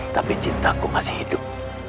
tapi cinta aku masih hidup